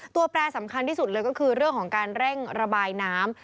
แปรสำคัญที่สุดเลยก็คือเรื่องของการเร่งระบายน้ำ